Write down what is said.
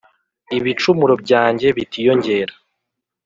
ibicumuro byanjye bitiyongera,